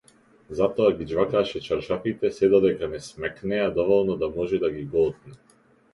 Затоа ги џвакаше чаршафите сѐ додека не смекнеа доволно да може да ги голтне.